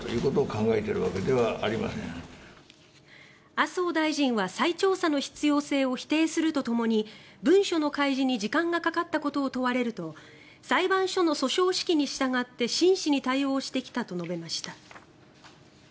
麻生大臣は再調査の必要性を否定するとともに文書の開示に時間がかかったことを問われると裁判所の訴訟指揮に従って真摯に対応してきたと述べました。